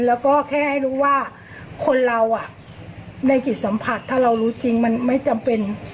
แล้วก็แค่ให้รู้ว่าคนเราในจิตสัมผัสถ้าเรารู้จริงมันไม่จำเป็น